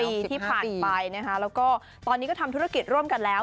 ปีที่ผ่านไปนะคะแล้วก็ตอนนี้ก็ทำธุรกิจร่วมกันแล้ว